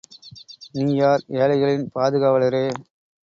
நீ யார்? ஏழைகளின் பாதுகாவலரே!